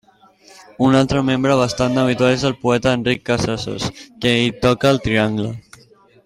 Un altre membre bastant habitual és el poeta Enric Casasses, que hi toca el triangle.